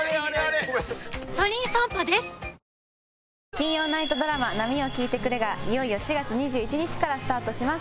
金曜ナイトドラマ『波よ聞いてくれ』がいよいよ４月２１日からスタートします。